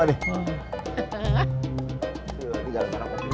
aduh ini gak ada yang ngerepotin doang nih